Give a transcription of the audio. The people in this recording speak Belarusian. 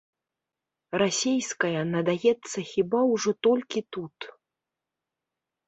Расейская надаецца хіба ўжо толькі тут.